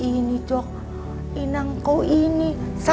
kau ini cok inang kau ini sebab aku tidak mau berdoa ya allah